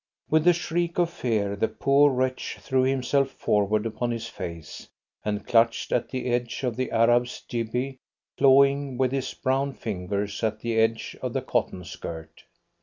With a shriek of fear the poor wretch threw himself forward upon his face, and clutched at the edge of the Arab's jibbeh, clawing with his brown fingers at the edge of the cotton skirt.